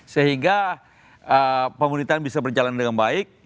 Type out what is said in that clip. sehingga pemerintahan bisa berjalan dengan baik